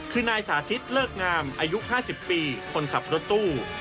คือนายสาธิตเลิกงามอายุ๕๐ปีคนขับรถตู้